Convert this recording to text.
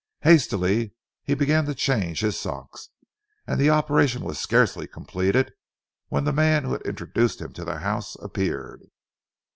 Hastily he began to change his socks, and the operation was scarcely completed, when the man who had introduced him to the house appeared.